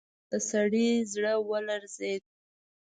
د سړي زړه ولړزېد.